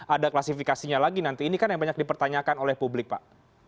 ada klasifikasinya lagi nanti ini kan yang banyak dipertanyakan oleh publik pak